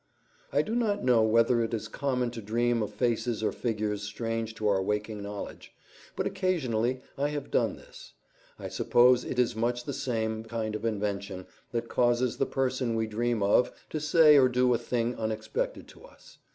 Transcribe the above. I do not know whether it is common to dream of faces or figures strange to our waking knowledge, but occasionally I have done this. I suppose it is much the same kind of invention that causes the person we dream of to say or do a thing unexpected to us.